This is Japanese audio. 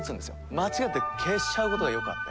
間違って消しちゃうことがよくあって。